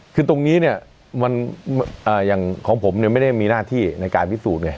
คือตรงนี้เนี่ยอย่างของผมเนี่ยไม่ได้มีหน้าที่ในการพิสูจน์ไง